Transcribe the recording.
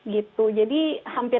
gitu jadi hampir